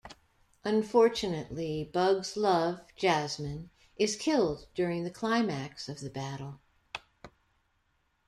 Unfortunately, Bug's love, Jasmine, is killed during the climax of the battle.